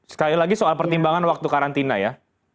sekali lagi soal pertimbangan waktu karantina ya